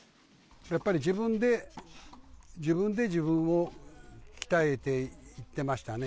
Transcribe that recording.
やっぱり自分で、自分で自分を鍛えていってましたね。